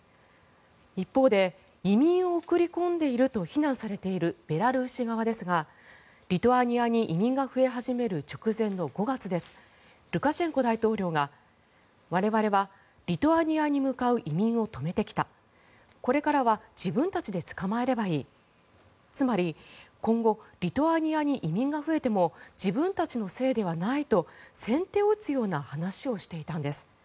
一方で、移民を送り込んでいると非難されているベラルーシ側ですがリトアニアに移民が増え始める直前の５月ルカシェンコ大統領が我々はリトアニアに向かう移民を止めてきたこれからは自分たちで捕まえればいいつまり、今後リトアニアに移民が増えても自分たちのせいではないと先手を打つような話をしていたんです。